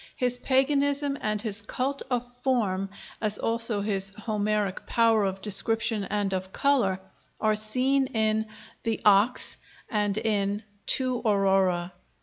His paganism and his "cult of form," as also his Homeric power of description and of color, are seen in 'The Ox' and in 'To Aurora.'